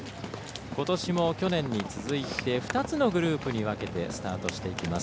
ことしも去年に続いて２つのグループに分けてスタートしていきます。